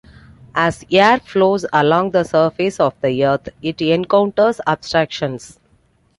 As air flows along the surface of the Earth, it encounters obstructions.